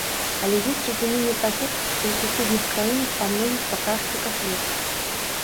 Але ёсць разуменне таго, што ў суседніх краінах па многіх паказчыках лепш.